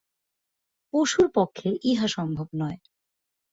পশুর পক্ষে ইহা সম্ভব নয়।